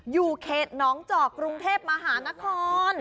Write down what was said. อยู่เขตน้องจอกกรุงเทพมหานคร